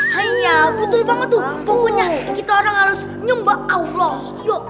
haiya betul banget tuh pokoknya kita orang harus nyembah allah subhanahu wa ta'ala